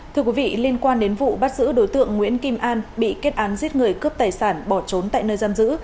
thưa quý vị liên quan đến vụ bắt giữ đối tượng nguyễn kim an bị kết án giết người cướp tài sản bỏ trốn tại nơi giam giữ